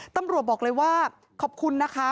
ตำรวจบอกเลยว่าขอบคุณนะคะ